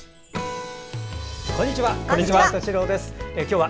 こんにちは。